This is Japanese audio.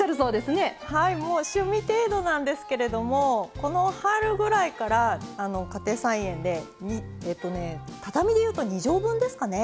はいもう趣味程度なんですけれどもこの春ぐらいから家庭菜園でえとね畳で言うと２畳分ですかね